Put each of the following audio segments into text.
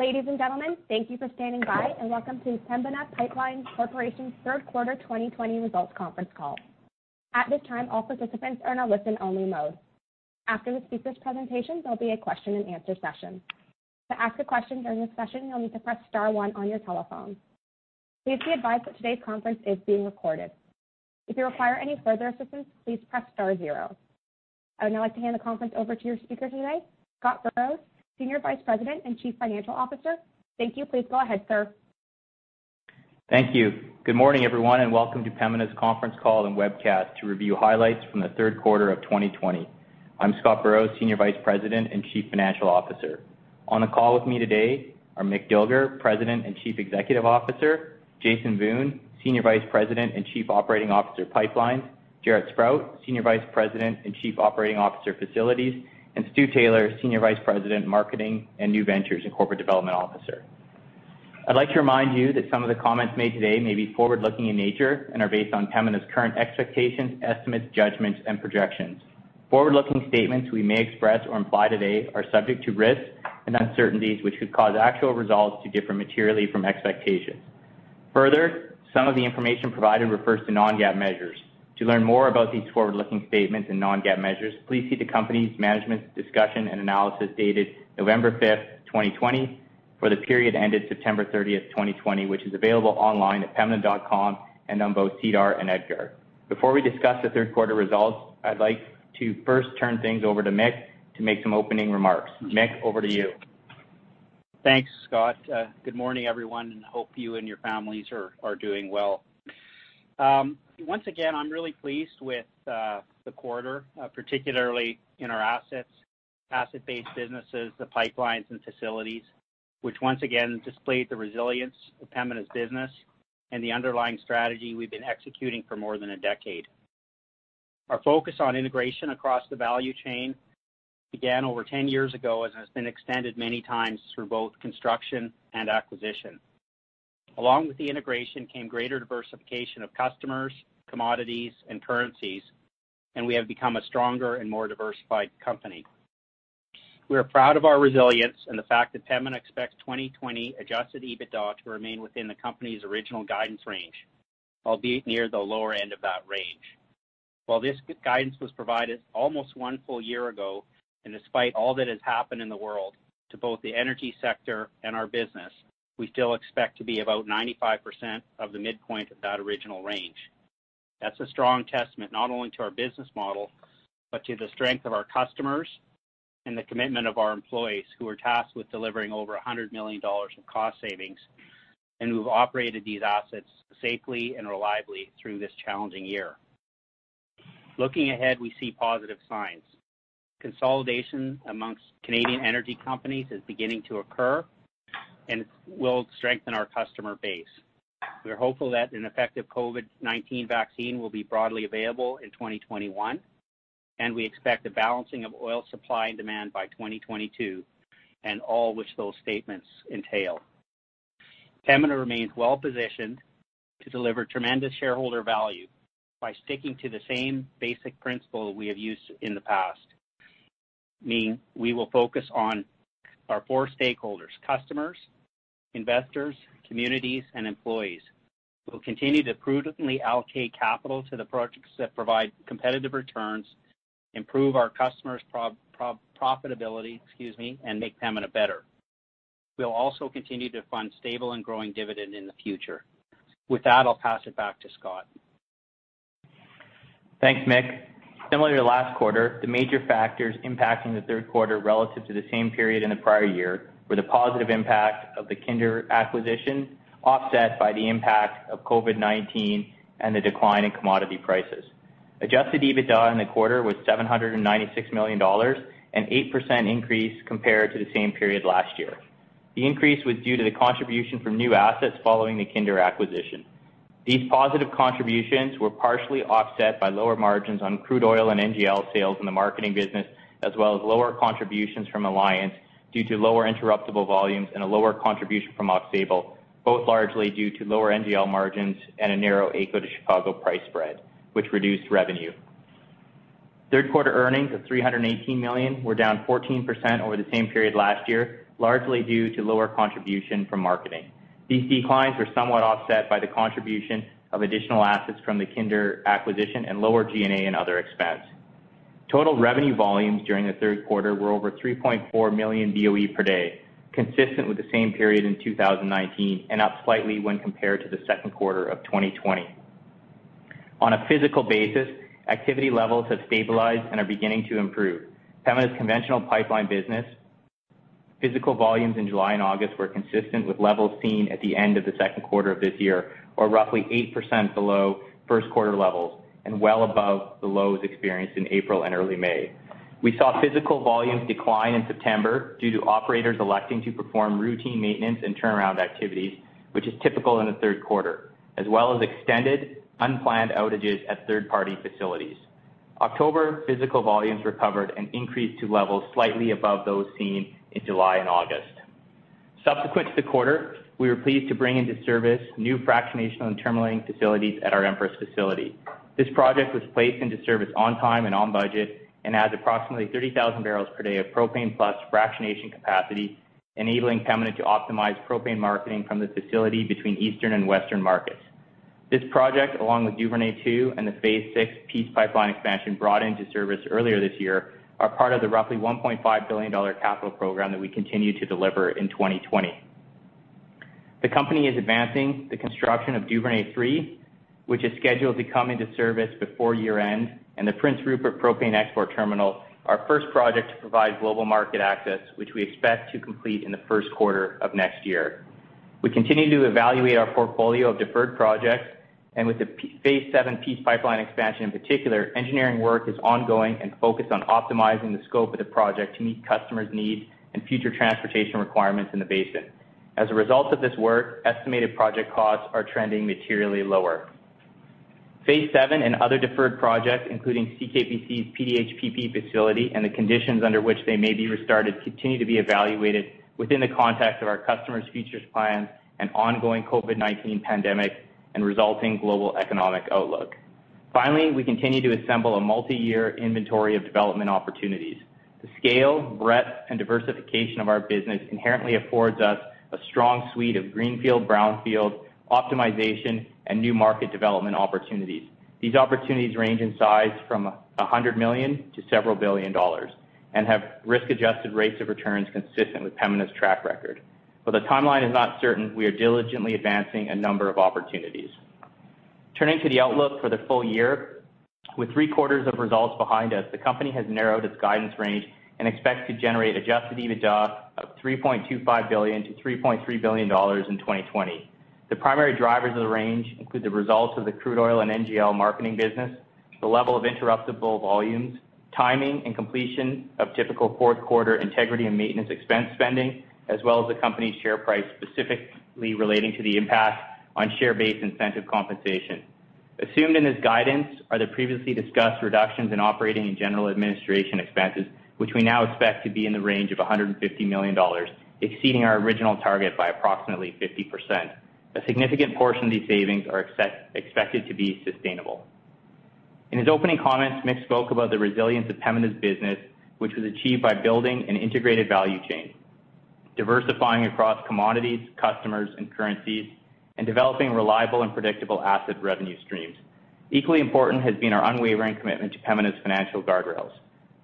Ladies and gentlemen, thank you for standing by and welcome to Pembina Pipeline Corporation's Q3 2020 results conference call. I would now like to hand the conference over to your speaker today, Scott Burrows, Senior Vice President and Chief Financial Officer. Thank you. Please go ahead, sir. Thank you. Good morning, everyone, and welcome to Pembina's conference call and webcast to review highlights from the Q3 of 2020. I'm Scott Burrows, Senior Vice President and Chief Financial Officer. On the call with me today are Mick Dilger, President and Chief Executive Officer, Jason Wiun, Senior Vice President and Chief Operating Officer, Pipelines, Jaret Sprott, Senior Vice President and Chief Operating Officer, Facilities, Stuart Taylor, Senior Vice President, Marketing and New Ventures and Corporate Development Officer. I'd like to remind you that some of the comments made today may be forward-looking in nature and are based on Pembina's current expectations, estimates, judgments and projections. Forward-looking statements we may express or imply today are subject to risks and uncertainties which could cause actual results to differ materially from expectations. Further, some of the information provided refers to non-GAAP measures. To learn more about these forward-looking statements and non-GAAP measures, please see the company's management's discussion and analysis dated November 5th, 2020, for the period ended September 30th, 2020, which is available online at pembina.com and on both SEDAR and EDGAR. Before we discuss the Q3 results, I'd like to first turn things over to Mick to make some opening remarks. Mick, over to you. Thanks, Scott. Good morning, everyone, and hope you and your families are doing well. Once again, I'm really pleased with the quarter, particularly in our asset-based businesses, the pipelines and facilities, Which once again displayed the resilience of Pembina's business and the underlying strategy we've been executing for more than a decade. Our focus on integration across the value chain began over 10 years ago and has been extended many times through both construction and acquisition. Along with the integration came greater diversification of customers, commodities and currencies, we have become a stronger and more diversified company. We are proud of our resilience and the fact that Pembina expects 2020 adjusted EBITDA to remain within the company's original guidance range, albeit near the lower end of that range. While this guidance was provided almost one full year ago, and despite all that has happened in the world to both the energy sector and our business, we still expect to be about 95% of the midpoint of that original range. That's a strong testament not only to our business model, but to the strength of our customers and the commitment of our employees who are tasked with delivering over 100 million dollars of cost savings and who've operated these assets safely and reliably through this challenging year. Looking ahead, we see positive signs. Consolidation amongst Canadian energy companies is beginning to occur and will strengthen our customer base. We are hopeful that an effective COVID-19 vaccine will be broadly available in 2021, and we expect a balancing of oil supply and demand by 2022, and all which those statements entail. Pembina remains well-positioned to deliver tremendous shareholder value by sticking to the same basic principle we have used in the past, meaning we will focus on our four stakeholders, customers, investors, communities and employees, Who will continue to prudently allocate capital to the projects that provide competitive returns, improve our customers' profitability and make Pembina better. We'll also continue to fund stable and growing dividend in the future. With that, I'll pass it back to Scott. Thanks, Mick. Similar to last quarter, the major factors impacting the Q3 relative to the same period in the prior year were the positive impact of the Kinder acquisition, offset by the impact of COVID-19 and the decline in commodity prices. Adjusted EBITDA in the quarter was 796 million dollars, an 8% increase compared to the same period last year. The increase was due to the contribution from new assets following the Kinder acquisition. These positive contributions were partially offset by lower margins on crude oil and NGL sales in the marketing business, as well as lower contributions from Alliance due to lower interruptible volumes and a lower contribution from Aux Sable, both largely due to lower NGL margins and a narrow AECO to Chicago price spread, which reduced revenue. Q3 earnings of 318 million were down 14% over the same period last year, largely due to lower contribution from marketing. These declines were somewhat offset by the contribution of additional assets from the Kinder acquisition and lower G&A and other expense. Total revenue volumes during the Q3 were over 3.4 million BOE per day, Consistent with the same period in 2019, and up slightly when compared to the Q2 of 2020. On a physical basis, activity levels have stabilized and are beginning to improve. Pembina's conventional pipeline business physical volumes in July and August were consistent with levels seen at the end of the Q2 of this year, or roughly 8% below Q1 levels and well above the lows experienced in April and early May. We saw physical volumes decline in September due to operators electing to perform routine maintenance and turnaround activities, which is typical in the Q3, as well as extended unplanned outages at third-party facilities. October physical volumes recovered and increased to levels slightly above those seen in July and August. Subsequent to the quarter, we were pleased to bring into service new fractionation and terminaling facilities at our Empress facility. This project was placed into service on time and on budget and adds approximately 30,000 barrels per day of propane plus fractionation capacity, enabling Pembina to optimize propane marketing from this facility between eastern and western markets. This project, along with Duvernay II and the Phase VI Peace Pipeline expansion brought into service earlier this year, are part of the roughly 1.5 billion dollar capital program that we continue to deliver in 2020. The company is advancing the construction of Duvernay III, which is scheduled to come into service before year-end, and the Prince Rupert propane export terminal, our first project to provide global market access, which we expect to complete in the Q1 of next year. We continue to evaluate our portfolio of deferred projects, and with the Phase VII Peace Pipeline expansion in particular, engineering work is ongoing and focused on optimizing the scope of the project to meet customers' needs and future transportation requirements in the basin. As a result of this work, estimated project costs are trending materially lower. Phase VII and other deferred projects, including CKPC's PDH/PP facility and the conditions under which they may be restarted, continue to be evaluated within the context of our customers' futures plans and ongoing COVID-19 pandemic and resulting global economic outlook. Finally, we continue to assemble a multi-year inventory of development opportunities. The scale, breadth, and diversification of our business inherently affords us a strong suite of greenfield, brownfield, optimization, and new market development opportunities. These opportunities range in size from 100 million to several billion CAD and have risk-adjusted rates of returns consistent with Pembina's track record. While the timeline is not certain, we are diligently advancing a number of opportunities. Turning to the outlook for the full year, with three quarters of results behind us, the company has narrowed its guidance range and expects to generate adjusted EBITDA of 3.25 billion-3.3 billion dollars in 2020. The primary drivers of the range include the results of the crude oil and NGL marketing business, the level of interruptible volumes, timing and completion of typical Q4 integrity and maintenance expense spending, as well as the company's share price, specifically relating to the impact on share-based incentive compensation. Assumed in this guidance are the previously discussed reductions in operating and general administration expenses, which we now expect to be in the range of 150 million dollars, exceeding our original target by approximately 50%. A significant portion of these savings are expected to be sustainable. In his opening comments, Mick spoke about the resilience of Pembina's business, which was achieved by building an integrated value chain, diversifying across commodities, customers, and currencies, and developing reliable and predictable asset revenue streams. Equally important has been our unwavering commitment to Pembina's financial guardrails.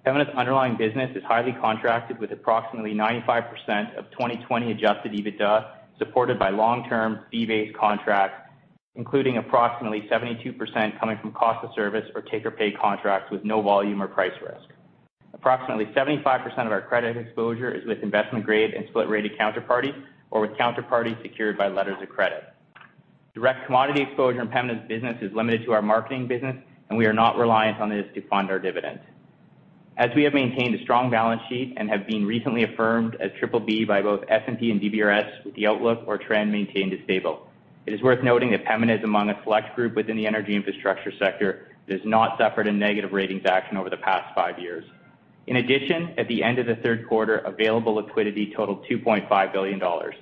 Pembina's underlying business is highly contracted with approximately 95% of 2020 adjusted EBITDA supported by long-term fee-based contracts, including approximately 72% coming from cost of service or take-or-pay contracts with no volume or price risk. Approximately 75% of our credit exposure is with investment-grade and split-rated counterparty or with counterparty secured by letters of credit. Direct commodity exposure in Pembina's business is limited to our marketing business, and we are not reliant on this to fund our dividend. We have maintained a strong balance sheet and have been recently affirmed as BBB by both S&P and DBRS with the outlook or trend maintained as stable. It is worth noting that Pembina is among a select group within the energy infrastructure sector that has not suffered a negative ratings action over the past five years. In addition, at the end of the Q3, available liquidity totaled 2.5 billion dollars.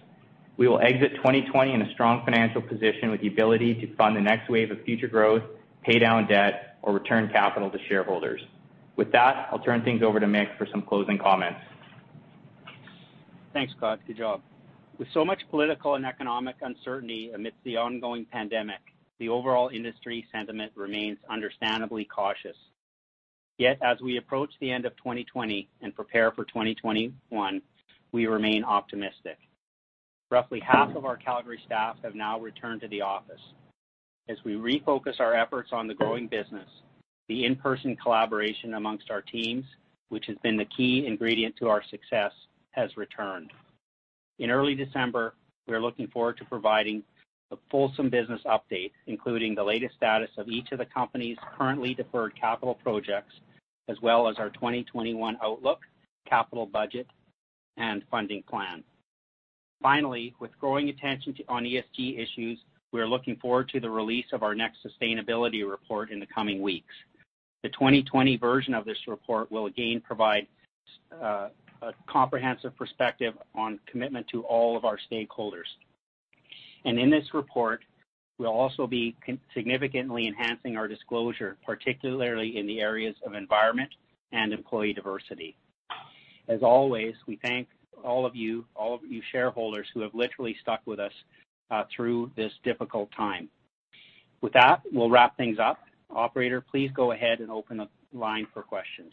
We will exit 2020 in a strong financial position with the ability to fund the next wave of future growth, pay down debt, or return capital to shareholders. With that, I'll turn things over to Mick for some closing comments. Thanks, Scott. Good job. With so much political and economic uncertainty amidst the ongoing pandemic, the overall industry sentiment remains understandably cautious. As we approach the end of 2020 and prepare for 2021, we remain optimistic. Roughly half of our Calgary staff have now returned to the office. As we refocus our efforts on the growing business, The in-person collaboration amongst our teams, which has been the key ingredient to our success, has returned. In early December, we are looking forward to providing a fulsome business update, including the latest status of each of the company's currently deferred capital projects, as well as our 2021 outlook, capital budget, and funding plan. With growing attention on ESG issues, we are looking forward to the release of our next sustainability report in the coming weeks. The 2020 version of this report will again provide a comprehensive perspective on commitment to all of our stakeholders. In this report, we'll also be significantly enhancing our disclosure, particularly in the areas of environment and employee diversity. As always, we thank all of you shareholders who have literally stuck with us through this difficult time. With that, we'll wrap things up. Operator, please go ahead and open up the line for questions.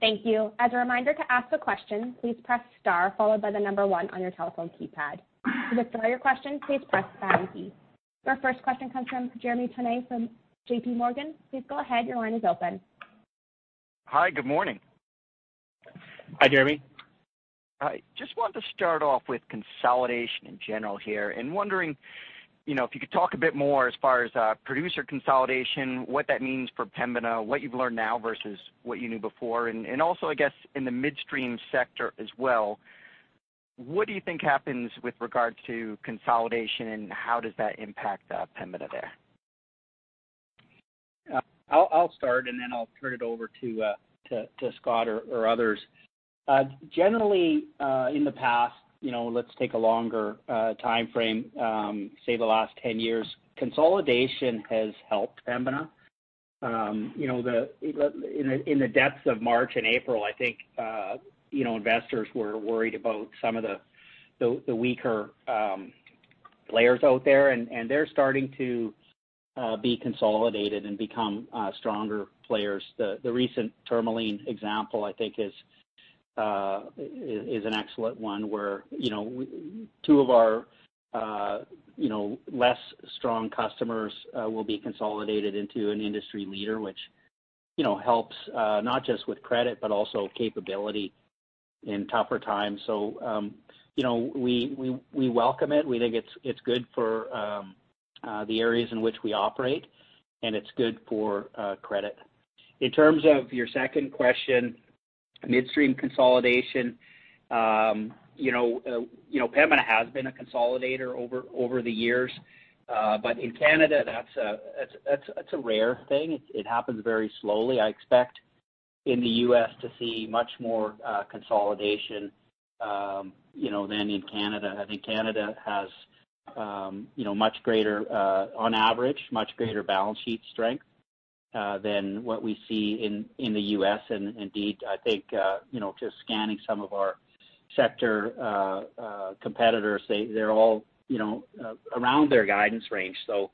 Thank you. As a reminder to ask a question, please press star followed by the number 1 on your telephone keypad. To withdraw your question, please press the pound key. Your first question comes from Jeremy Tonet from JPMorgan. Please go ahead, your line is open. Hi, good morning. Hi, Jeremy. Hi. Just wanted to start off with consolidation in general here, and wondering if you could talk a bit more as far as producer consolidation, what that means for Pembina, what you've learned now versus what you knew before, and also, I guess, in the midstream sector as well, what do you think happens with regards to consolidation, and how does that impact Pembina there? I'll start, and then I'll turn it over to Scott or others. Generally, in the past, let's take a longer timeframe, say the last 10 years, consolidation has helped Pembina. In the depths of March and April, I think investors were worried about some of the weaker players out there, and they're starting to be consolidated and become stronger players. The recent Tourmaline example, I think is an excellent one, where two of our less strong customers will be consolidated into an industry leader, which helps not just with credit, but also capability in tougher times. We welcome it. We think it's good for the areas in which we operate, and it's good for credit. In terms of your second question, midstream consolidation. Pembina has been a consolidator over the years. In Canada, that's a rare thing. It happens very slowly. I expect in the U.S. to see much more consolidation than in Canada. I think Canada has on average, much greater balance sheet strength than what we see in the U.S. Indeed, I think, just scanning some of our sector competitors, they're all around their guidance range. They're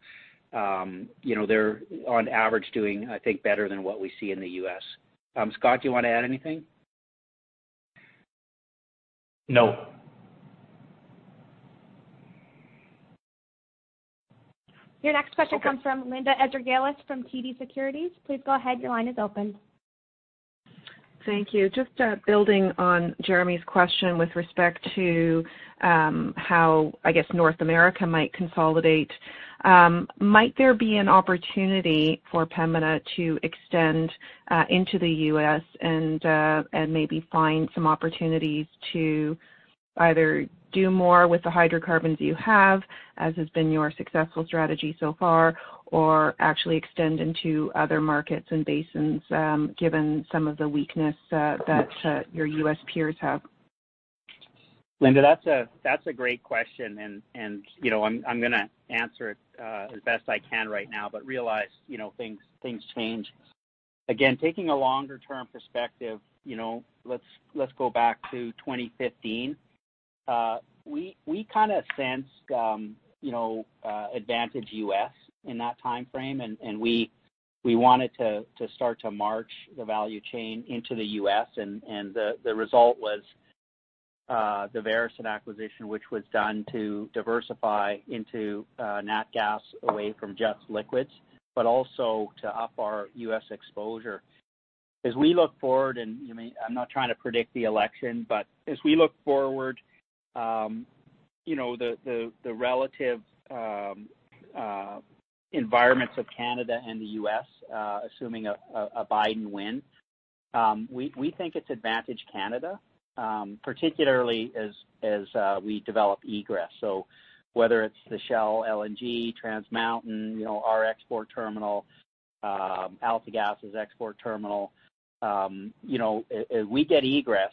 on average doing, I think, better than what we see in the U.S. Scott, do you want to add anything? No. Your next question comes from Linda Ezergailis from TD Securities. Please go ahead, your line is open. Thank you. Just building on Jeremy's question with respect to how, I guess North America might consolidate. Might there be an opportunity for Pembina to extend into the U.S. and maybe find some opportunities to either do more with the hydrocarbons you have, as has been your successful strategy so far, or actually extend into other markets and basins, given some of the weakness that your U.S. peers have? Linda, that's a great question, and I'm going to answer it, as best I can right now, but realize things change. Again, taking a longer-term perspective, let's go back to 2015. We kind of sensed Advantage U.S. in that timeframe, and we wanted to start to march the value chain into the U.S., and the result was the Veresen acquisition, which was done to diversify into nat gas away from just liquids, but also to up our U.S. exposure. As we look forward, and I'm not trying to predict the election, but as we look forward, the relative environments of Canada and the U.S., assuming a Biden win, we think it's Advantage Canada, particularly as we develop egress, whether it's the Shell LNG, Trans Mountain, our export terminal, AltaGas' export terminal. As we get egress,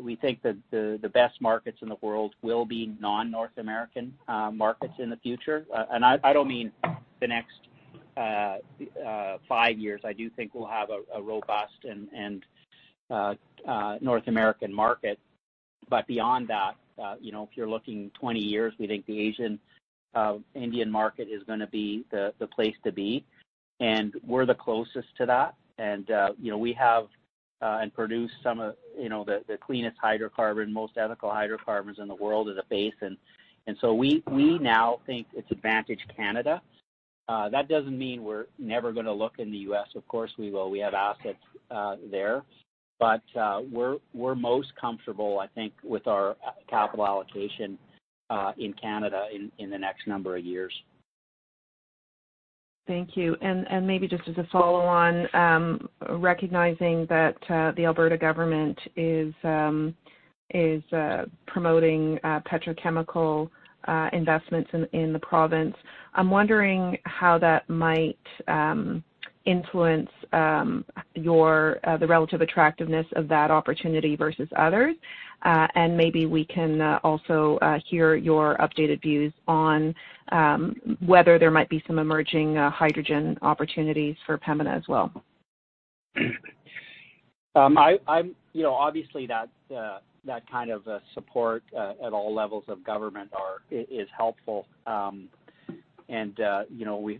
we think that the best markets in the world will be non-North American markets in the future. I don't mean the next five years. I do think we'll have a robust and North American market. Beyond that, if you're looking 20 years, we think the Asian, Indian market is gonna be the place to be, and we're the closest to that. We have and produce some of the cleanest hydrocarbon, most ethical hydrocarbons in the world as a basin. We now think it's Advantage Canada. That doesn't mean we're never gonna look in the U.S. Of course, we will. We have assets there. We're most comfortable, I think, with our capital allocation in Canada in the next number of years. Thank you. Maybe just as a follow-on, recognizing that the Alberta government is promoting petrochemical investments in the province. I am wondering how that might influence the relative attractiveness of that opportunity versus others. Maybe we can also hear your updated views on whether there might be some emerging hydrogen opportunities for Pembina as well. Obviously, that kind of support at all levels of government is helpful.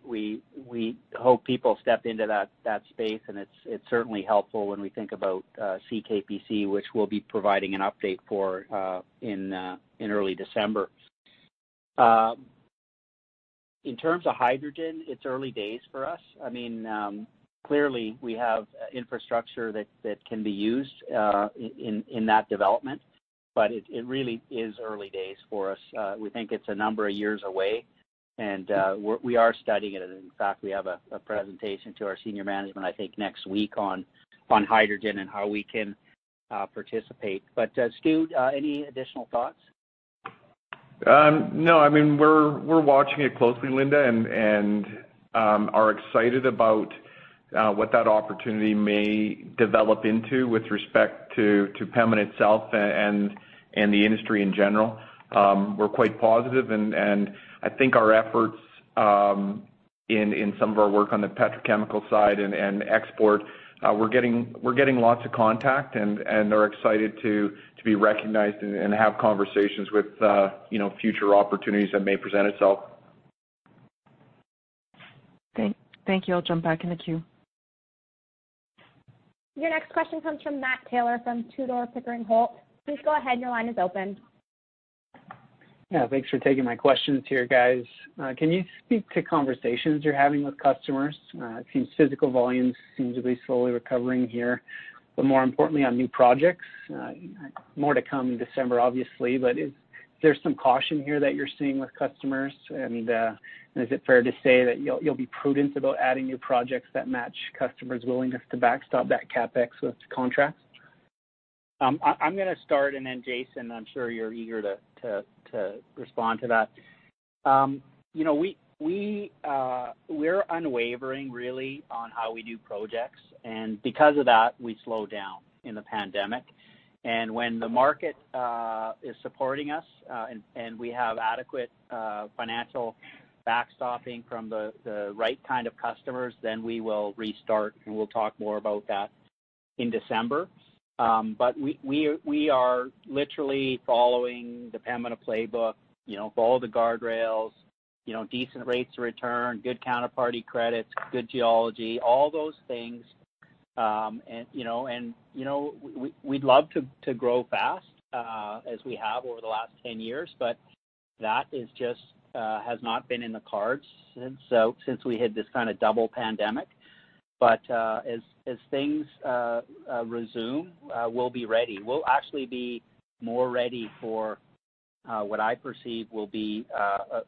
We hope people step into that space, and it's certainly helpful when we think about Canada Kuwait Petrochemical Corporation, which we'll be providing an update for in early December. In terms of hydrogen, it's early days for us. Clearly, we have infrastructure that can be used in that development. It really is early days for us. We think it's a number of years away, and we are studying it. In fact, we have a presentation to our senior management, I think, next week on hydrogen and how we can participate. Stuart, any additional thoughts? We're watching it closely, Linda, and are excited about what that opportunity may develop into with respect to Pembina itself and the industry in general. We're quite positive. I think our efforts in some of our work on the petrochemical side and export, we're getting lots of contact and are excited to be recognized and have conversations with future opportunities that may present itself. Thank you. I'll jump back in the queue. Your next question comes from Matthew Taylor from Tudor, Pickering Holt. Please go ahead. Your line is open. Yeah. Thanks for taking my questions here, guys. Can you speak to conversations you're having with customers? It seems physical volumes seem to be slowly recovering here, but more importantly on new projects. More to come in December, obviously, is there some caution here that you're seeing with customers? Is it fair to say that you'll be prudent about adding new projects that match customers' willingness to backstop that CapEx with contracts? I'm going to start and then Jason, I'm sure you're eager to respond to that. We're unwavering, really, on how we do projects, and because of that, we slowed down in the pandemic. When the market is supporting us, and we have adequate financial backstopping from the right kind of customers, then we will restart, and we'll talk more about that in December. We are literally following the Pembina playbook, follow the guardrails, decent rates of return, good counterparty credits, good geology, all those things. We'd love to grow fast as we have over the last 10 years, but that just has not been in the cards since we had this kind of double pandemic. As things resume, we'll be ready. We'll actually be more ready for what I perceive will be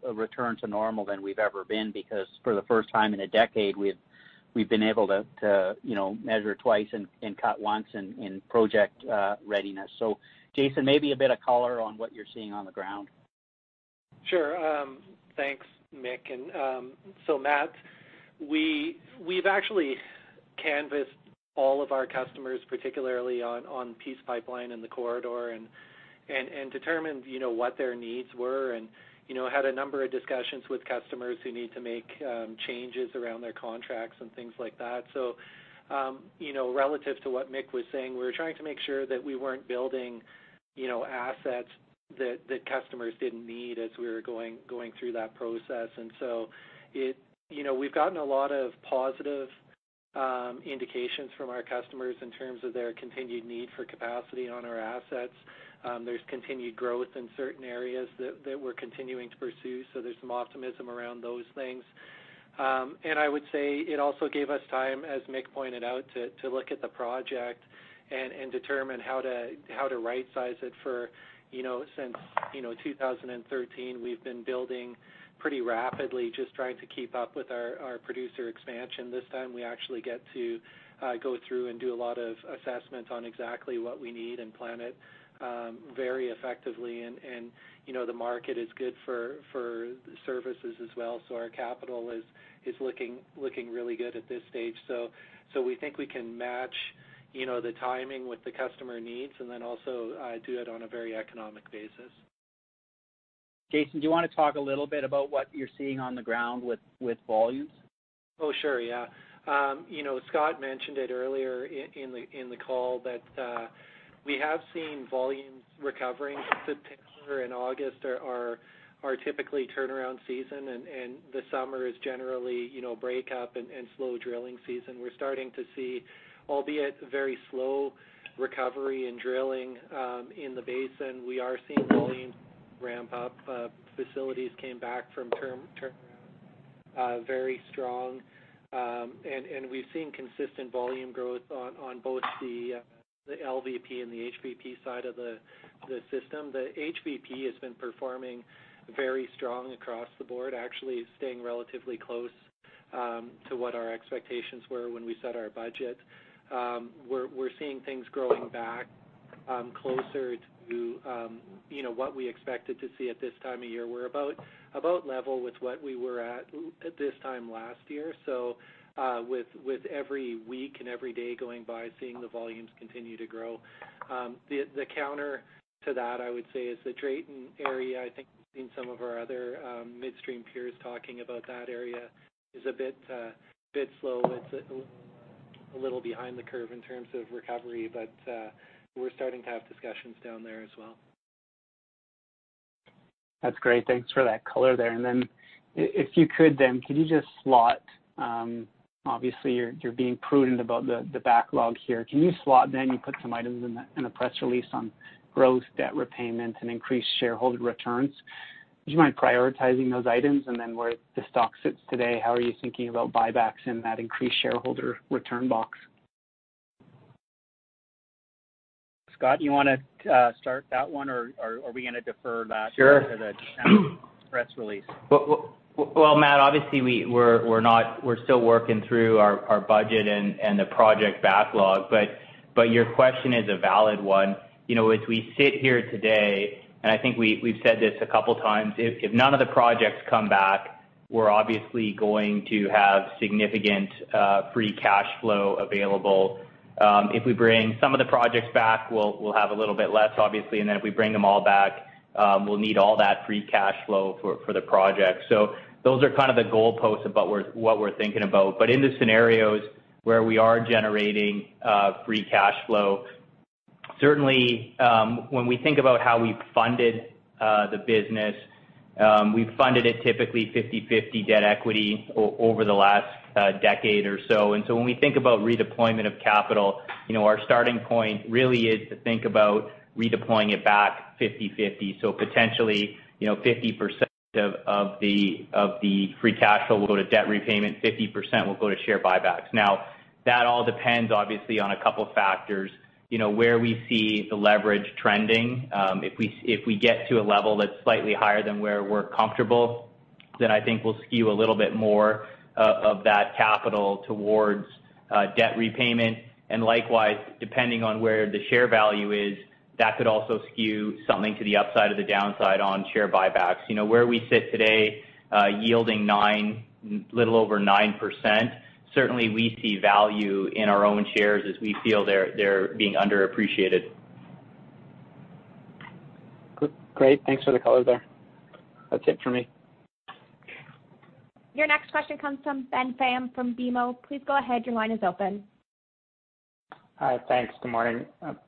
a return to normal than we've ever been because for the first time in a decade, we've been able to measure twice and cut once in project readiness. Jason, maybe a bit of color on what you're seeing on the ground. Sure. Thanks, Mick. Matthew, we've actually canvassed all of our customers, particularly on Peace Pipeline and the Corridor, and determined what their needs were and had a number of discussions with customers who need to make changes around their contracts and things like that. Relative to what Mick was saying, we were trying to make sure that we weren't building assets that customers didn't need as we were going through that process. We've gotten a lot of positive indications from our customers in terms of their continued need for capacity on our assets. There's continued growth in certain areas that we're continuing to pursue, so there's some optimism around those things. I would say it also gave us time, as Mick pointed out, to look at the project and determine how to right-size it for. Since 2013, we've been building pretty rapidly, just trying to keep up with our producer expansion. This time, we actually get to go through and do a lot of assessment on exactly what we need and plan it very effectively. The market is good for services as well, so our capital is looking really good at this stage. We think we can match the timing with the customer needs and then also do it on a very economic basis. Jason, do you want to talk a little bit about what you're seeing on the ground with volumes? Yeah. Scott mentioned it earlier in the call that we have seen volumes recovering. September and August are typically turnaround season. The summer is generally break up and slow drilling season. We're starting to see, albeit very slow recovery in drilling in the basin. We are seeing volumes ramp up. Facilities came back from turnaround very strong. We've seen consistent volume growth on both the LVP and the HVP side of the system. The HVP has been performing very strong across the board, actually staying relatively close to what our expectations were when we set our budget. We're seeing things growing back closer to what we expected to see at this time of year. We're about level with what we were at at this time last year, with every week and every day going by, seeing the volumes continue to grow. The counter to that, I would say, is the Drayton area. I think we've seen some of our other midstream peers talking about that area is a bit slow. It's a little behind the curve in terms of recovery. We're starting to have discussions down there as well. That's great. Thanks for that color there. If you could then, can you just slot? Obviously, you're being prudent about the backlog here. Can you slot then, you put some items in the press release on growth, debt repayments, and increased shareholder returns. Do you mind prioritizing those items? Where the stock sits today, how are you thinking about buybacks in that increased shareholder return box? Scott, you want to start that one, or are we going to defer that? Sure. To the December press release. Well, Matthew, obviously we're still working through our budget and the project backlog, your question is a valid one. As we sit here today, I think we've said this a couple times, if none of the projects come back, we're obviously going to have significant free cash flow available. If we bring some of the projects back, we'll have a little bit less, obviously, if we bring them all back, we'll need all that free cash flow for the project. Those are the goalposts about what we're thinking about. In the scenarios where we are generating free cash flow, certainly, when we think about how we've funded the business, we've funded it typically 50/50 debt equity over the last decade or so. When we think about redeployment of capital, our starting point really is to think about redeploying it back 50/50. Potentially, 50% of the free cash flow will go to debt repayment, 50% will go to share buybacks. That all depends, obviously, on a couple of factors. Where we see the leverage trending, if we get to a level that's slightly higher than where we're comfortable, then I think we'll skew a little bit more of that capital towards debt repayment. Likewise, depending on where the share value is, that could also skew something to the upside or the downside on share buybacks. Where we sit today, yielding little over 9%, certainly we see value in our own shares as we feel they're being underappreciated. Great. Thanks for the color there. That's it for me. Your next question comes from Ben Pham from BMO Capital Markets. Please go ahead. Your line is open. Hi. Thanks. Good morning.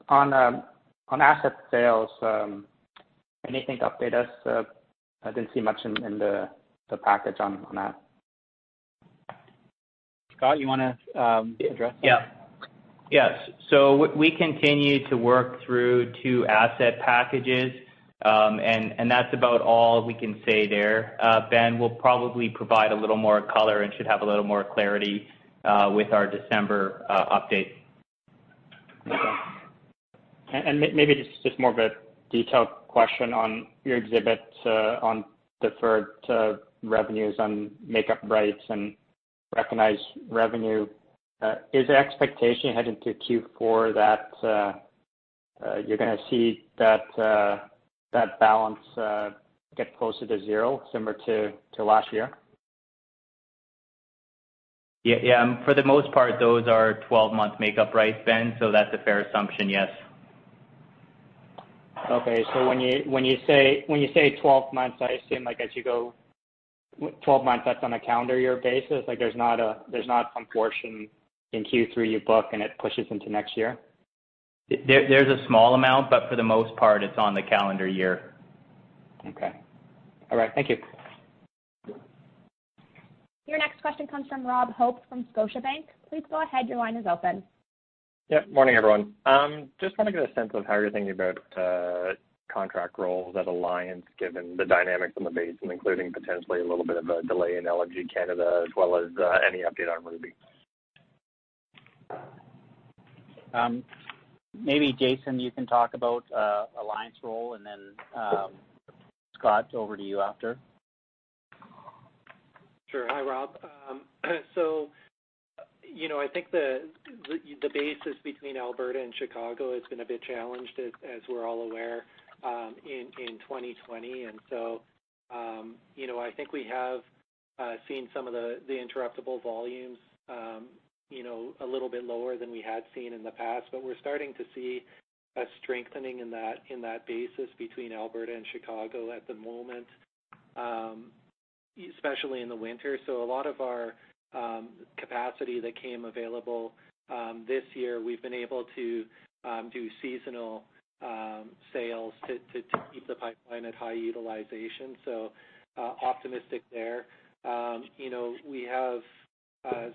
On asset sales, anything to update us? I didn't see much in the package on that. Scott, you want to address that? Yeah. We continue to work through two asset packages, and that's about all we can say there. Ben, we'll probably provide a little more color and should have a little more clarity with our December update. Okay. Maybe just more of a detailed question on your exhibits on deferred revenues on make up rights and recognized revenue, is the expectation heading to Q4 that you're going to see that balance get closer to zero similar to last year? Yeah. For the most part, those are 12-month make up rights, Ben, so that's a fair assumption, yes. Okay. When you say 12 months, I assume, like as you go 12 months, that's on a calendar year basis? There's not some portion in Q3 you book, and it pushes into next year? There's a small amount, but for the most part, it's on the calendar year. Okay. All right. Thank you. Your next question comes from Robert Hope from Scotiabank. Please go ahead. Your line is open. Yep. Morning, everyone. Just want to get a sense of how you're thinking about contract rolls at Alliance given the dynamics on the basin, including potentially a little bit of a delay in LNG Canada as well as any update on Ruby. Maybe Jason, you can talk about Alliance roll, and then, Scott, over to you after. Sure. Hi, Robert. I think the basis between Alberta and Chicago has been a bit challenged as we're all aware, in 2020. I think we have seen some of the interruptible volumes a little bit lower than we had seen in the past. We're starting to see a strengthening in that basis between Alberta and Chicago at the moment, especially in the winter. A lot of our capacity that came available this year, we've been able to do seasonal sales to keep the pipeline at high utilization. Optimistic there. We have a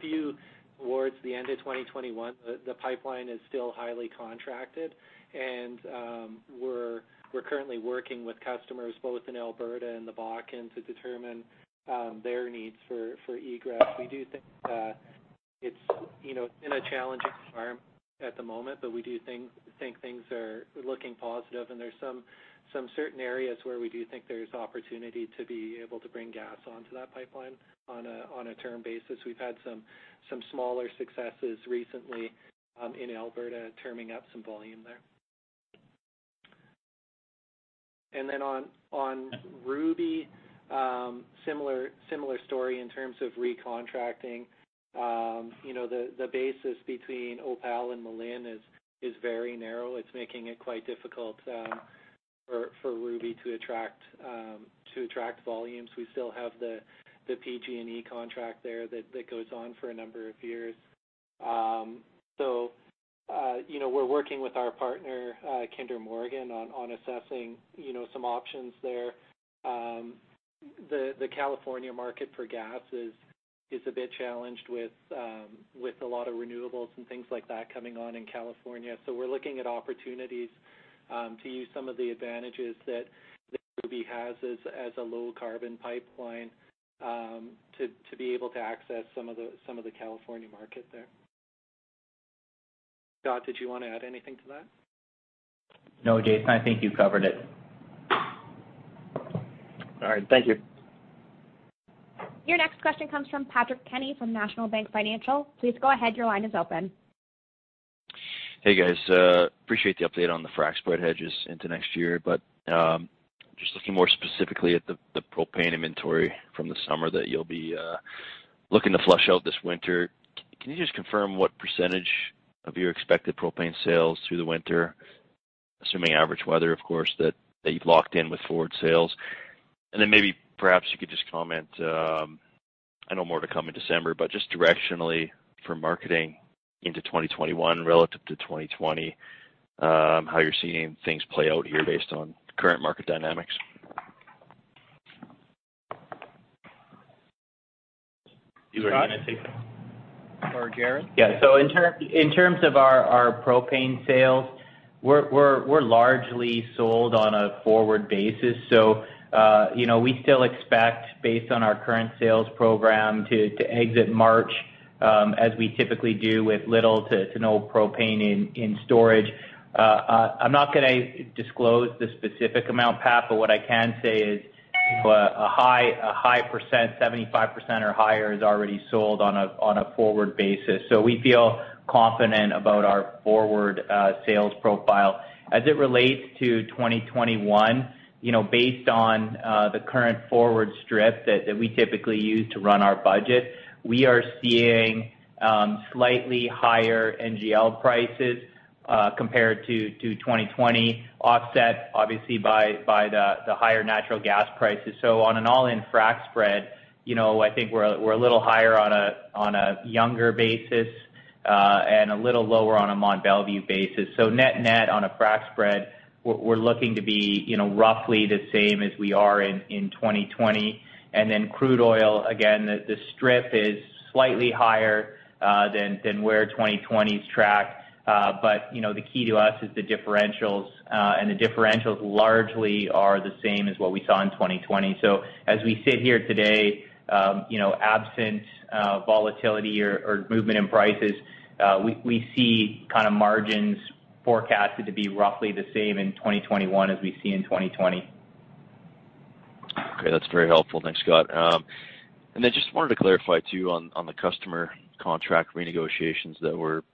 few towards the end of 2021, the pipeline is still highly contracted, and we're currently working with customers both in Alberta and the Bakken to determine their needs for egress. We do think it's in a challenging environment at the moment, but we do think things are looking positive, and there's some certain areas where we do think there's opportunity to be able to bring gas onto that pipeline on a term basis. We've had some smaller successes recently in Alberta terming up some volume there. Then on Ruby, similar story in terms of recontracting. The basis between Opal and Malin is very narrow. It's making it quite difficult for Ruby to attract volumes. We still have the PG&E contract there that goes on for a number of years. We're working with our partner, Kinder Morgan, on assessing some options there. The California market for gas is a bit challenged with a lot of renewables and things like that coming on in California. We're looking at opportunities to use some of the advantages that Ruby has as a low-carbon pipeline to be able to access some of the California market there. Scott, did you want to add anything to that? No, Jason, I think you covered it. All right. Thank you. Your next question comes from Patrick Kenny from National Bank Financial. Please go ahead. Your line is open. Hey, guys. Appreciate the update on the frac spread hedges into next year, just looking more specifically at the propane inventory from the summer that you'll be looking to flush out this winter. Can you just confirm what % of your expected propane sales through the winter, assuming average weather, of course, that you've locked in with forward sales? Maybe perhaps you could just comment, I know more to come in December, just directionally for marketing into 2021 relative to 2020, how you're seeing things play out here based on current market dynamics. Do you want me to take that? Jaret? Yeah. In terms of our propane sales, we're largely sold on a forward basis, so we still expect, based on our current sales program, to exit March, as we typically do, with little to no propane in storage. I'm not going to disclose the specific amount, Pat, but what I can say is a high percent, 75% or higher, is already sold on a forward basis. We feel confident about our forward sales profile. As it relates to 2021, based on the current forward strip that we typically use to run our budget, we are seeing slightly higher NGL prices compared to 2020, offset obviously by the higher natural gas prices. On an all-in frac spread, I think we're a little higher on an AECO basis, and a little lower on a Mont Belvieu basis. Net net on a frac spread, we're looking to be roughly the same as we are in 2020. Crude oil, again, the strip is slightly higher than where 2020's tracked. The key to us is the differentials, and the differentials largely are the same as what we saw in 2020. As we sit here today, absent volatility or movement in prices, we see margins forecasted to be roughly the same in 2021 as we see in 2020. Okay. That's very helpful. Thanks, Scott. Just wanted to clarify, too, on the customer contract renegotiations that were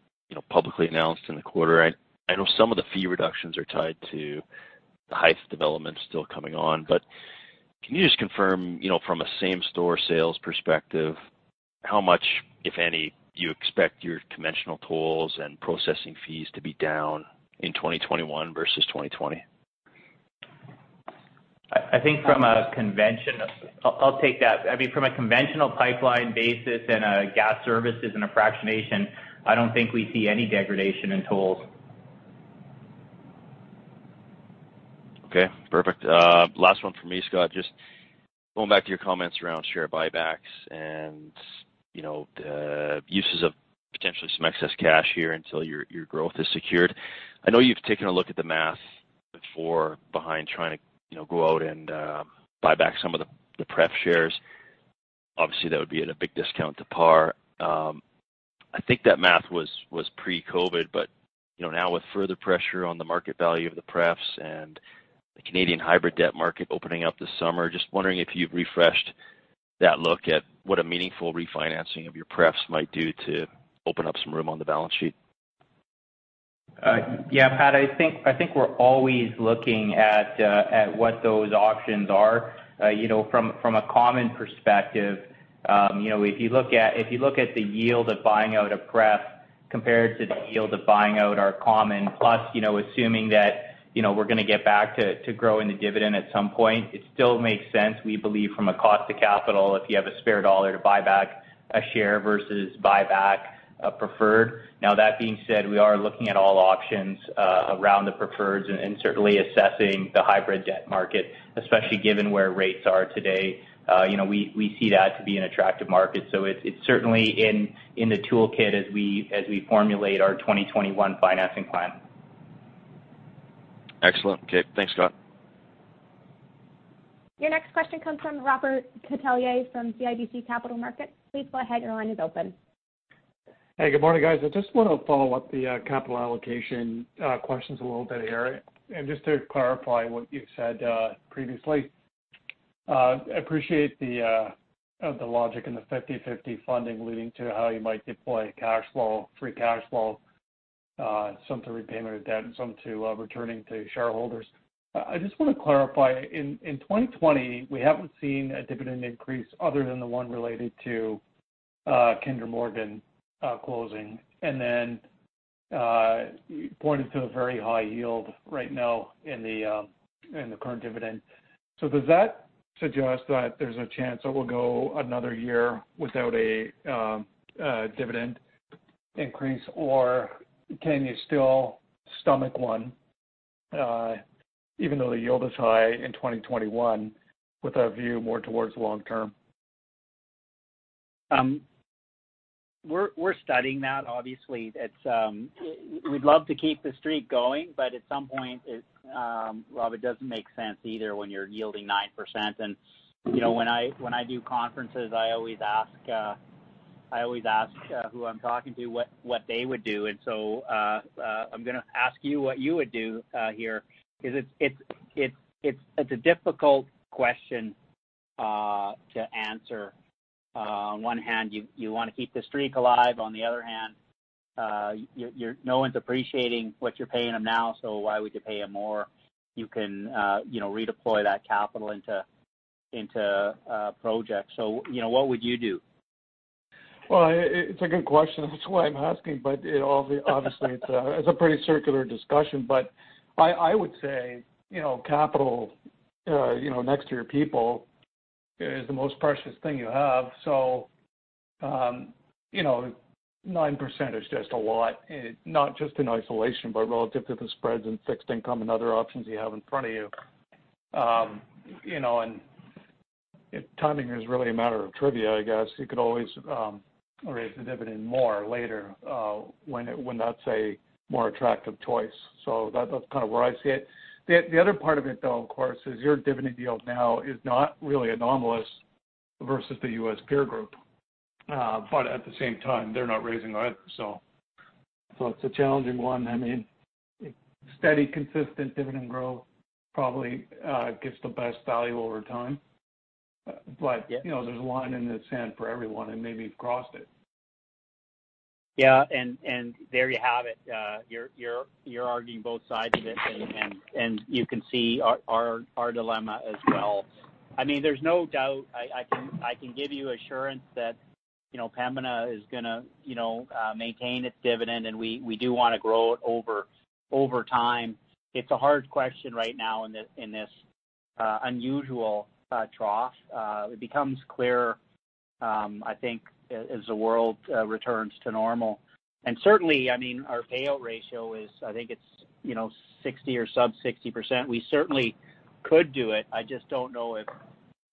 publicly announced in the quarter. I know some of the fee reductions are tied to the Hythe of development still coming on. Can you just confirm, from a same-store sales perspective, how much, if any, you expect your conventional tolls and processing fees to be down in 2021 versus 2020? I'll take that. From a conventional pipeline basis and a gas services and a fractionation, I don't think we see any degradation in tolls. Okay, perfect. Last one from me, Scott. Just going back to your comments around share buybacks and the uses of potentially some excess cash here until your growth is secured. I know you've taken a look at the math before behind trying to go out and buy back some of the pref shares. Obviously, that would be at a big discount to par. I think that math was pre-COVID-19. Now with further pressure on the market value of the pref's and the Canadian hybrid debt market opening up this summer, just wondering if you've refreshed that look at what a meaningful refinancing of your pref's might do to open up some room on the balance sheet. Yeah, Pat, I think we're always looking at what those options are. From a common perspective, if you look at the yield of buying out a pref compared to the yield of buying out our common, plus assuming that we're going to get back to growing the dividend at some point, it still makes sense, We believe, from a cost of capital if you have a spare CAD to buy back a share versus buy back a preferred. That being said, we are looking at all options around the preferreds and certainly assessing the hybrid debt market, especially given where rates are today. We see that to be an attractive market, it's certainly in the toolkit as we formulate our 2021 financing plan. Excellent. Okay. Thanks, Scott. Your next question comes from Robert Catellier from CIBC Capital Markets. Please go ahead. Your line is open. Hey, good morning, guys. I just want to follow up the capital allocation questions a little bit here, and just to clarify what you said previously. Appreciate the logic in the 50/50 funding leading to how you might deploy cash flow, free cash flow, some to repayment of debt and some to returning to shareholders. I just want to clarify, in 2020, we haven't seen a dividend increase other than the one related to Kinder Morgan closing. Then you pointed to a very high yield right now in the current dividend. Does that suggest that there's a chance that we'll go another year without a dividend increase, or can you still stomach one, even though the yield is high in 2021 with a view more towards long term? We're studying that. Obviously, we'd love to keep the streak going, at some point, Robert, it doesn't make sense either when you're yielding 9%. When I do conferences, I always ask who I'm talking to, what they would do. I'm going to ask you what you would do here. It's a difficult question to answer. On one hand, you want to keep the streak alive. On the other hand, no one's appreciating what you're paying them now, why would you pay them more? You can redeploy that capital into projects. What would you do? Well, it's a good question. That's why I'm asking. Obviously, it's a pretty circular discussion. I would say, capital, next to your people, is the most precious thing you have. 9% is just a lot, not just in isolation, but relative to the spreads in fixed income and other options you have in front of you. Timing is really a matter of trivia, I guess. You could always raise the dividend more later, when that's a more attractive choice. That's kind of where I see it. The other part of it, though, of course, is your dividend yield now is not really anomalous versus the U.S. peer group. At the same time, they're not raising either, so it's a challenging one. Steady, consistent dividend growth probably gives the best value over time. Yeah. There's a line in the sand for everyone, and maybe you've crossed it. Yeah. There you have it. You're arguing both sides of it, and you can see our dilemma as well. There's no doubt, I can give you assurance that Pembina is going to maintain its dividend, and we do want to grow it over time. It's a hard question right now in this unusual trough. It becomes clearer, I think, as the world returns to normal. Certainly, our payout ratio is, I think it's 60 or sub 60%. We certainly could do it. I just don't know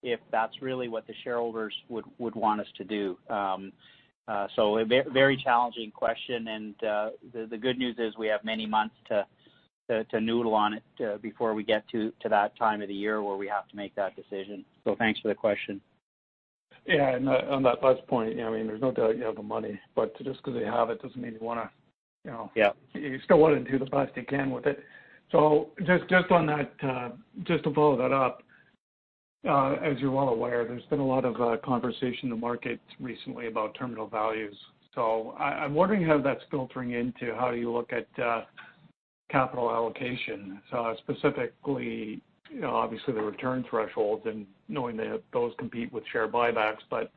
if that's really what the shareholders would want us to do. A very challenging question, and the good news is we have many months to noodle on it before we get to that time of the year where we have to make that decision. Thanks for the question. Yeah. On that last point, there's no doubt you have the money. Yeah. You still want to do the best you can with it. Just to follow that up, as you're well aware, there's been a lot of conversation in the market recently about terminal values. I'm wondering how that's filtering into how you look at capital allocation. Specifically, obviously the return thresholds and knowing that those compete with share buybacks, but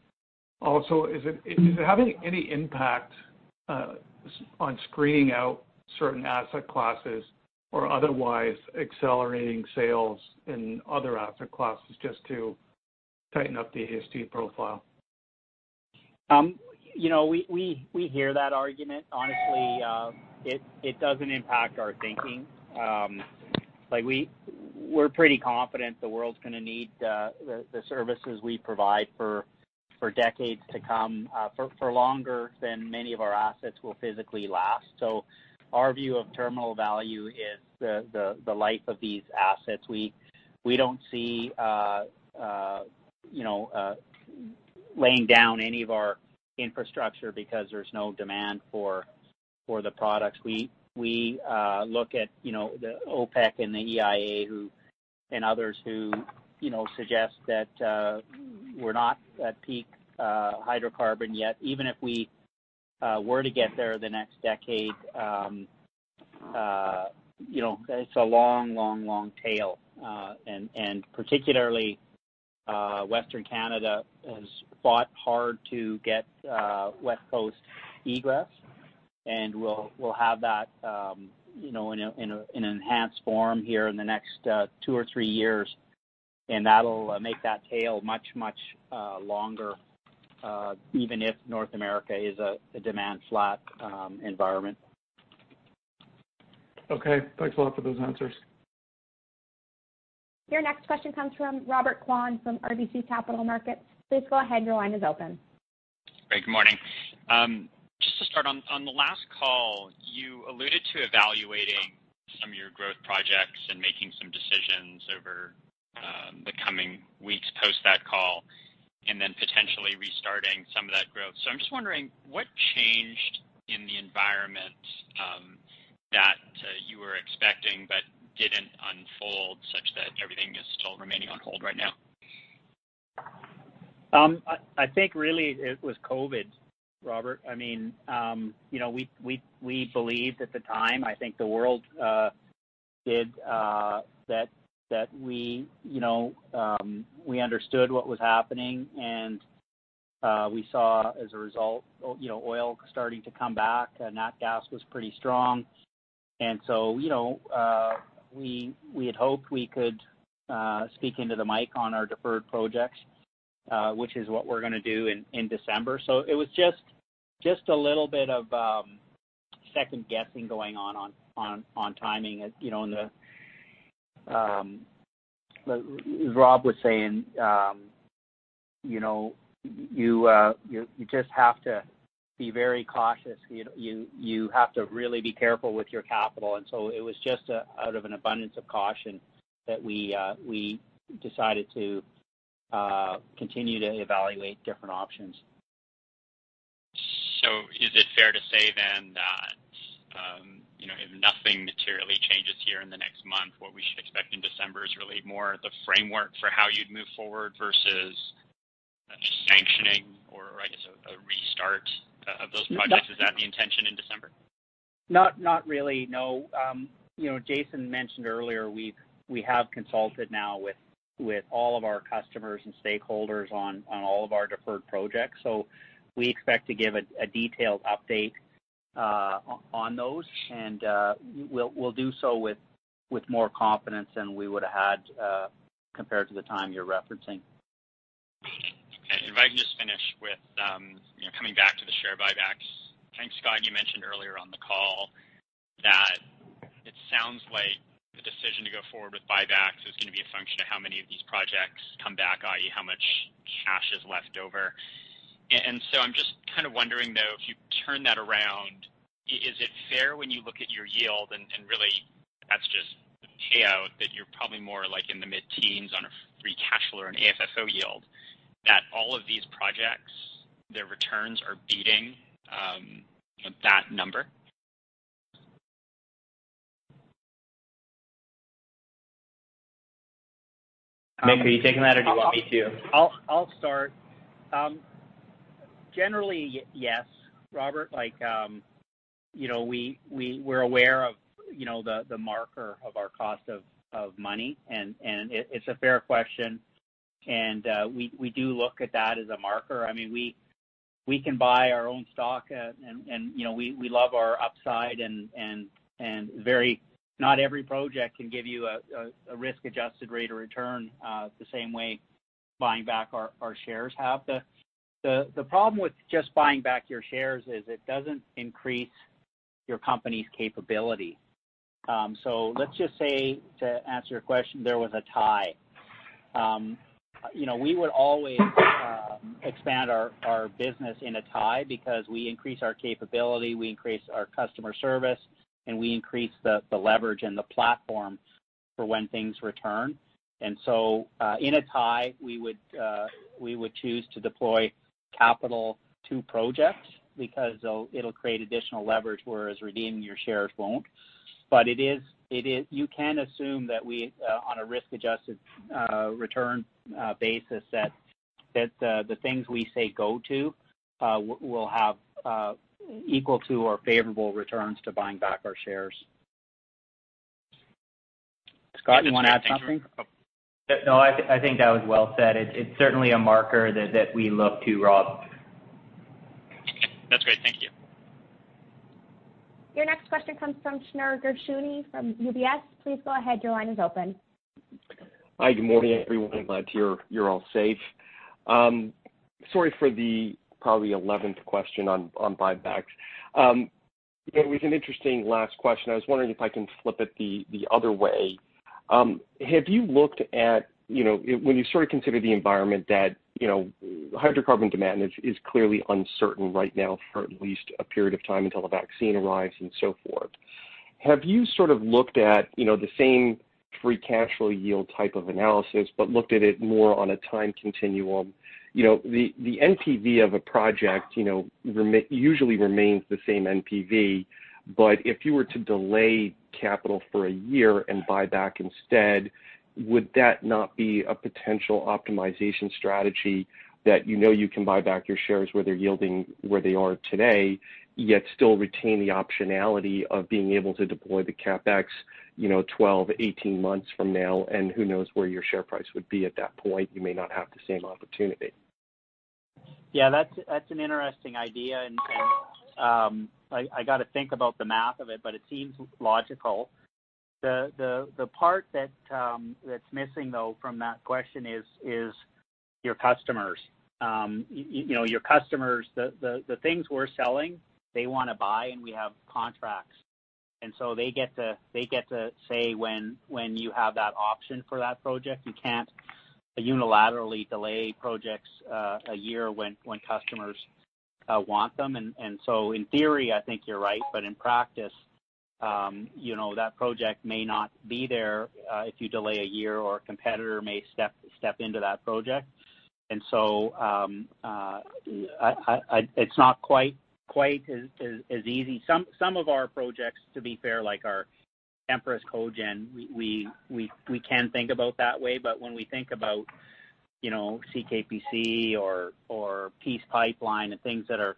also, is it having any impact on screening out certain asset classes or otherwise accelerating sales in other asset classes just to tighten up the asset profile? We hear that argument. Honestly, it doesn't impact our thinking. We're pretty confident the world's going to need the services we provide for decades to come, for longer than many of our assets will physically last. Our view of terminal value is the life of these assets. We don't see laying down any of our infrastructure because there's no demand for the products. We look at the OPEC and the EIA and others who suggest that we're not at peak hydrocarbon yet. Even if we were to get there the next decade, it's a long tail. Particularly, Western Canada has fought hard to get West Coast egress, and we'll have that in an enhanced form here in the next two or three years, and that'll make that tail much longer, even if North America is a demand flat environment. Okay. Thanks a lot for those answers. Your next question comes from Robert Kwan from RBC Capital Markets. Please go ahead. Your line is open. Great. Good morning. Just to start on the last call, you alluded to evaluating some of your growth projects and making some decisions over the coming weeks post that call, and then potentially restarting some of that growth. I'm just wondering, what changed in the environment that you were expecting but didn't unfold such that everything is still remaining on hold right now? I think really it was COVID, Robert. We believed at the time, I think the world did, that we understood what was happening, and we saw, as a result, oil starting to come back, and that gas was pretty strong. We had hoped we could speak into the mic on our deferred projects, which is what we're going to do in December. It was just a little bit of second-guessing going on timing. As Robert was saying, you just have to be very cautious. You have to really be careful with your capital. It was just out of an abundance of caution that we decided to continue to evaluate different options. Is it fair to say then that, if nothing materially changes here in the next month, what we should expect in December is really more the framework for how you'd move forward versus a sanctioning or I guess a restart of those projects? Is that the intention in December? Not really, no. Jason mentioned earlier we have consulted now with all of our customers and stakeholders on all of our deferred projects. We expect to give a detailed update on those, and we'll do so with more confidence than we would've had compared to the time you're referencing. Okay. If I can just finish with, coming back to the share buybacks. I think, Scott, you mentioned earlier on the call that it sounds like the decision to go forward with buybacks is going to be a function of how many of these projects come back, i.e., how much cash is left over. I'm just kind of wondering, though, if you turn that around, is it fair when you look at your yield, and really that's just the payout, That you're probably more like in the mid-teens on a free cash flow or an AFFO yield, that all of these projects, their returns are beating that number? Mick, are you taking that or do you want me to? I'll start. Generally, yes, Robert. We're aware of the marker of our cost of money, and it's a fair question. We do look at that as a marker. We can buy our own stock. We love our upside, not every project can give you a risk-adjusted rate of return the same way buying back our shares have. The problem with just buying back your shares is it doesn't increase your company's capability. Let's just say, to answer your question, there was a tie. We would always expand our business in a tie because we increase our capability, we increase our customer service, and we increase the leverage and the platform for when things return. In a tie, we would choose to deploy capital to projects because it'll create additional leverage, whereas redeeming your shares won't. You can assume that on a risk-adjusted return basis, that the things we say go to will have equal to or favorable returns to buying back our shares. Scott, do you want to add something? No, I think that was well said. It's certainly a marker that we look to, Robert. That's great. Thank you. Your next question comes from Shneur Gershuni from UBS. Hi, good morning, everyone. Glad you're all safe. Sorry for the probably 11th question on buybacks. It was an interesting last question. I was wondering if I can flip it the other way. Have you looked at when you sort of consider the environment that hydrocarbon demand is clearly uncertain right now for at least a period of time until a vaccine arrives and so forth. Have you sort of looked at the same free cash flow yield type of analysis, but looked at it more on a time continuum? The NPV of a project usually remains the same NPV, if you were to delay capital for a year and buy back instead, would that not be a potential optimization strategy that you know you can buy back your shares where they're yielding where they are today, yet still retain the optionality of being able to deploy the CapEx 12, 18 months from now? Who knows where your share price would be at that point. You may not have the same opportunity. Yeah, that's an interesting idea, and I got to think about the math of it, but it seems logical. The part that's missing, though, from that question is your customers. The things we're selling, they want to buy, and we have contracts. They get to say when you have that option for that project. You can't unilaterally delay projects a year when customers want them. In theory, I think you're right, but in practice, that project may not be there if you delay a year or a competitor may step into that project. It's not quite as easy. Some of our projects, to be fair, like our Empress Cogen, we can think about that way, but when we think about CKPC or Peace Pipeline and things that are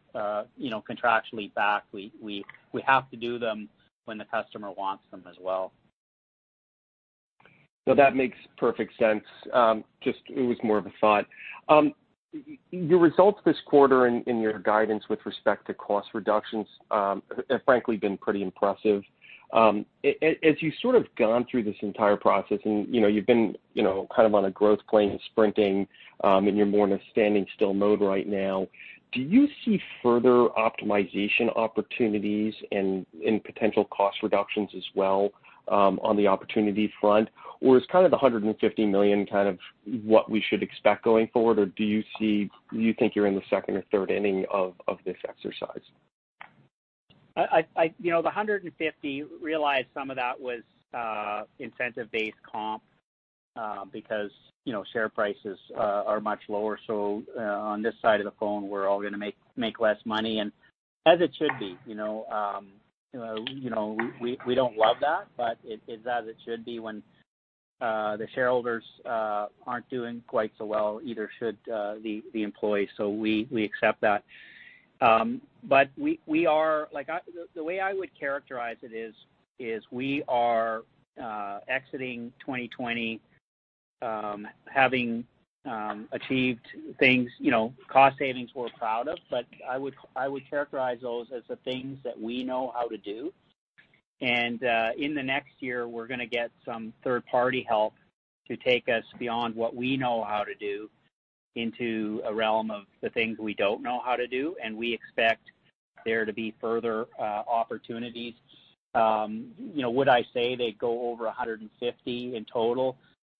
contractually backed, we have to do them when the customer wants them as well. No, that makes perfect sense. Just, it was more of a thought. Your results this quarter and your guidance with respect to cost reductions have frankly been pretty impressive. As you've sort of gone through this entire process and you've been kind of on a growth plane sprinting, and you're more in a standing-still mode right now. Do you see further optimization opportunities and potential cost reductions as well on the opportunity front? Is kind of the 150 million kind of what we should expect going forward, or do you think you're in the second or third inning of this exercise? The 150, realized some of that was incentive-based comp, because share prices are much lower. On this side of the phone, we're all going to make less money and as it should be. We don't love that, it's as it should be when the shareholders aren't doing quite so well, either should the employee. We accept that. The way I would characterize it is we are exiting 2020 having achieved things, cost savings we're proud of. I would characterize those as the things that we know how to do. In the next year, we're going to get some third-party help to take us beyond what we know how to do into a realm of the things we don't know how to do. We expect there to be further opportunities. Would I say they'd go over 150 in total?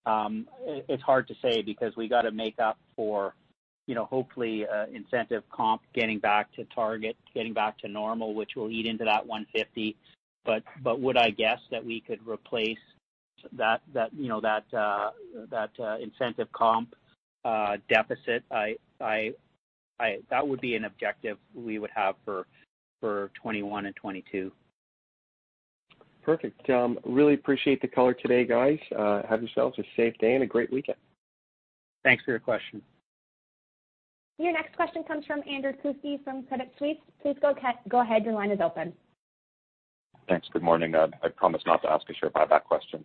It's hard to say because we got to make up for hopefully incentive comp getting back to target, getting back to normal, which will eat into that 150. Would I guess that we could replace that incentive comp deficit? That would be an objective we would have for 2021 and 2022. Perfect. Really appreciate the color today, guys. Have yourselves a safe day and a great weekend. Thanks for your question. Your next question comes from Andrew Kuske from Credit Suisse. Please go ahead. Your line is open. Thanks. Good morning. I promise not to ask a share buyback question.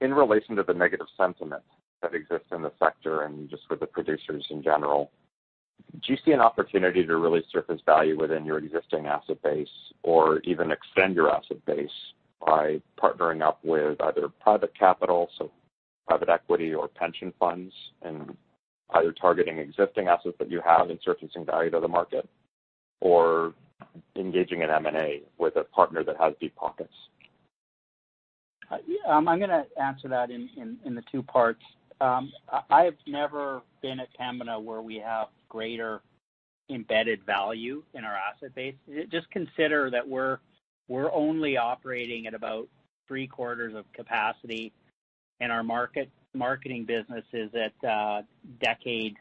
In relation to the negative sentiment that exists in the sector and just for the producers in general, do you see an opportunity to really surface value within Your existing asset base or even extend your asset base by partnering up with either private capital, so private equity or pension funds, and either targeting existing assets that you have and surfacing value to the market or engaging in M&A with a partner that has deep pockets? I'm going to answer that in the two parts. I've never been at Pembina where we have greater embedded value in our asset base. Just consider that we're only operating at about three-quarters of capacity, and our marketing business is at decade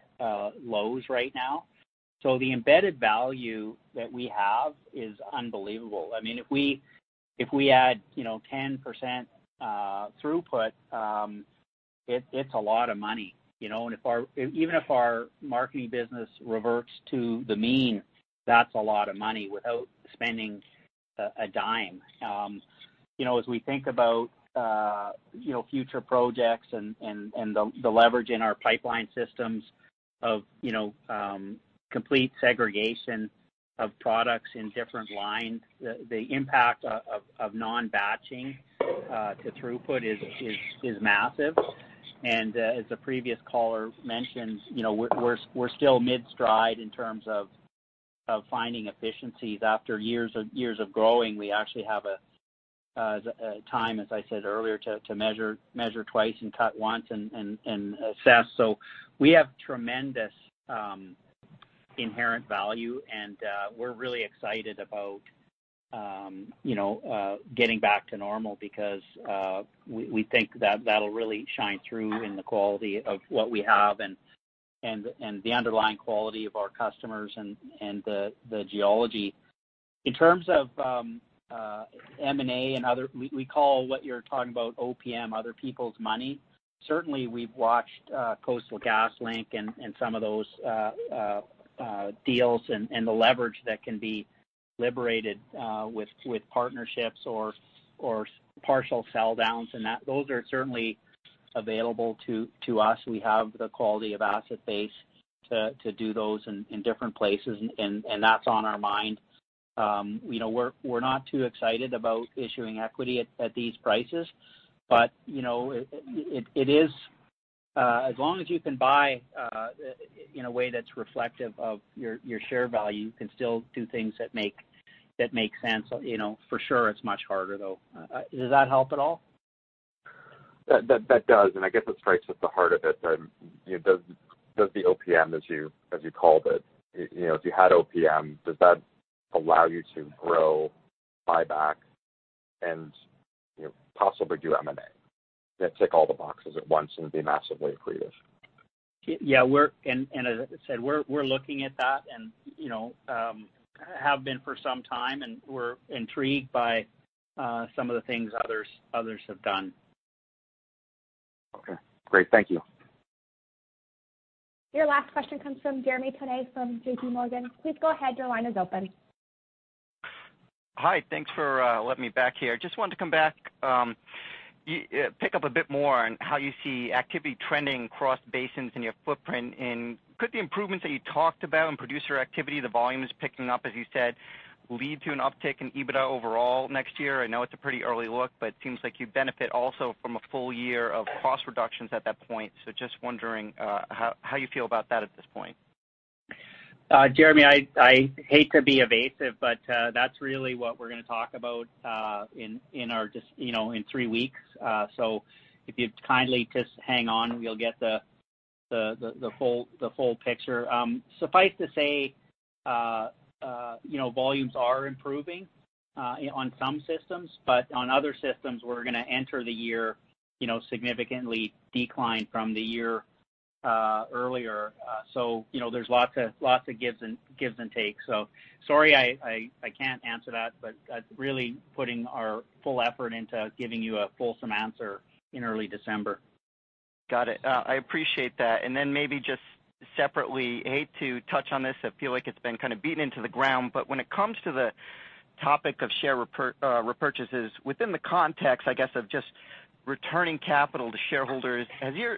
lows right now. The embedded value that we have is unbelievable. If we add 10% throughput, it's a lot of money. Even if our marketing business reverts to the mean, that's a lot of money without spending a dime. As we think about future projects and the leverage in our pipeline systems of complete segregation of products in different lines, the impact of non-batching to throughput is massive. As the previous caller mentioned, we're still mid-stride in terms of finding efficiencies. After years of growing, we actually have a time, as I said earlier, to measure twice and cut once and assess. We have tremendous inherent value, and we're really excited about getting back to normal because we think that'll really shine through in the quality of what we have and the underlying quality of our customers and the geology. In terms of M&A and other. We call what you're talking about OPM, other people's money. Certainly, we've watched Coastal GasLink and some of those deals and the leverage that can be liberated with partnerships or partial sell downs, and those are certainly available to us. We have the quality of asset base to do those in different places, and that's on our mind. We're not too excited about issuing equity at these prices. As long as you can buy in a way that's reflective of your share value, you can still do things that make sense. For sure it's much harder, though. Does that help at all? That does, and I guess it strikes at the heart of it then. Does the OPM, as you called it, if you had OPM, does that allow you to grow, buy back, and possibly do M&A that tick all the boxes at once and be massively accretive? Yeah. As I said, we're looking at that and have been for some time, and we're intrigued by some of the things others have done. Okay, great. Thank you. Your last question comes from Jeremy Tonet from JPMorgan. Please go ahead. Your line is open. Hi. Thanks for letting me back here. Just wanted to come back, pick up a bit more on how you see activity trending across basins in your footprint, could the improvements that you talked about in producer activity, the volume is picking up, as you said, lead to an uptick in EBITDA overall next year? I know it's a pretty early look, but it seems like you benefit also from a full year of cost reductions at that point. Just wondering how you feel about that at this point. Jeremy, I hate to be evasive, but that's really what we're going to talk about in three weeks. If you'd kindly just hang on, we'll get the whole picture. Suffice to say, volumes are improving on some systems, but on other systems, we're going to enter the year significantly declined from the year earlier. There's lots of gives and takes. Sorry I can't answer that, but really putting our full effort into giving you a fulsome answer in early December. Got it. I appreciate that. Then maybe just separately, hate to touch on this. I feel like it's been kind of beaten into the ground, but when it comes to the topic of share repurchases within the context, I guess, of just returning capital to shareholders, has your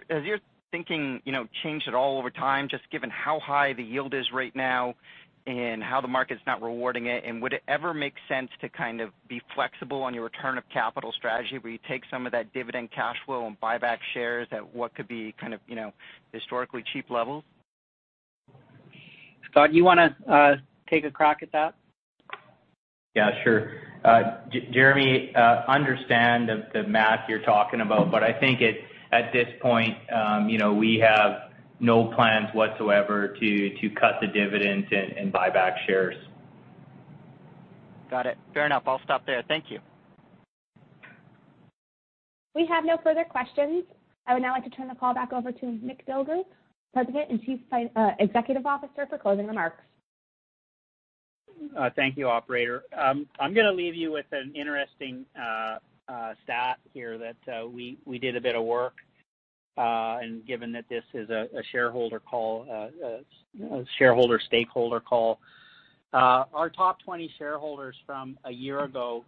thinking changed at all over time, just given how high the yield is right now and how the market's not rewarding it?\ Would it ever make sense to be flexible on your return of capital strategy where you take some of that dividend cash flow and buy back shares at what could be historically cheap levels? Scott, you want to take a crack at that? Yeah, sure. Jeremy, understand the math you're talking about, but I think at this point we have no plans whatsoever to cut the dividends and buy back shares. Got it. Fair enough. I'll stop there. Thank you. We have no further questions. I would now like to turn the call back over to Mick Dilger, President and Chief Executive Officer, for closing remarks. Thank you, operator. I'm going to leave you with an interesting stat here that we did a bit of work, given that this is a shareholder stakeholder call. Our top 20 shareholders from a year ago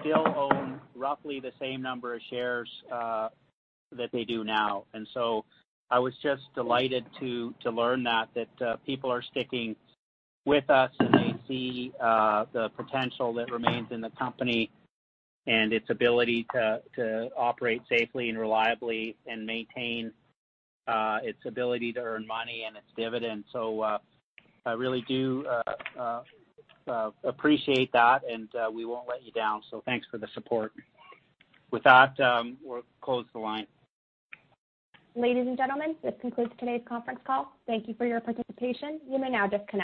still own roughly the same number of shares that they do now. I was just delighted to learn that people are sticking with us, and they see the potential that remains in the company and its ability to operate safely and reliably and maintain its ability to earn money and its dividends. I really do appreciate that, and we won't let you down. Thanks for the support. With that, we'll close the line. Ladies and gentlemen, this concludes today's conference call. Thank you for your participation. You may now disconnect.